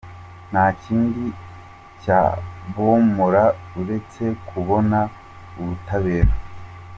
Nta kindi cyabomora uretse kubona ubutabera